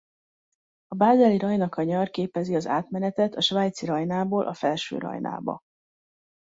A bázeli Rajna-kanyar képezi az átmenetet a Svájci-Rajnából a Felső-Rajnába.